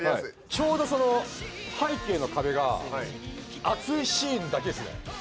ちょうど背景の壁が熱いシーンだけっすね。